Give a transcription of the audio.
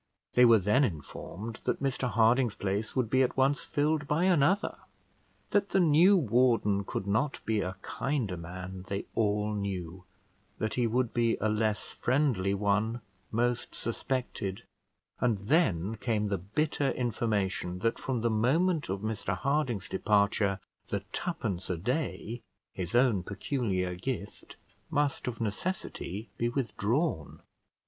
They were then informed that Mr Harding's place would be at once filled by another. That the new warden could not be a kinder man they all knew; that he would be a less friendly one most suspected; and then came the bitter information that, from the moment of Mr Harding's departure, the twopence a day, his own peculiar gift, must of necessity be withdrawn.